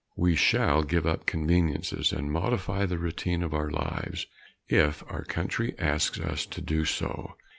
We shall give up conveniences and modify the routine of our lives if our country asks us to do so.